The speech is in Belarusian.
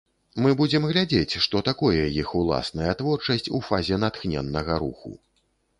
Мы будзем глядзець, што такое іх уласная творчасць у фазе натхненнага руху.